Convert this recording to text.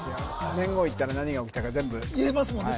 年号言ったら何が起きたか全部言えますもんね